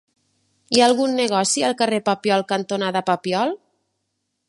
Hi ha algun negoci al carrer Papiol cantonada Papiol?